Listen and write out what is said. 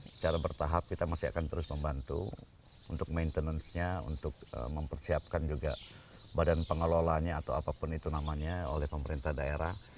secara bertahap kita masih akan terus membantu untuk maintenance nya untuk mempersiapkan juga badan pengelolanya atau apapun itu namanya oleh pemerintah daerah